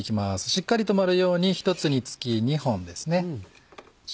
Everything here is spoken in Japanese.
しっかり留まるように１つにつき２本です。